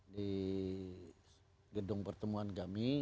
di gedung pertemuan kami